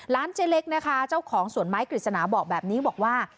เจ๊เล็กนะคะเจ้าของสวนไม้กฤษณาบอกแบบนี้บอกว่า